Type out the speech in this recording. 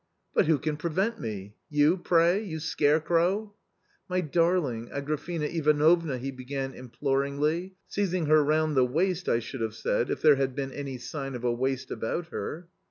" But who can prevent me ? You, pray, you scare crow ?" "My darling, Agrafena Ivanovna!" he began implor ingly, seizing her round the waist, I should have said, if there had been any sign of a waist about her.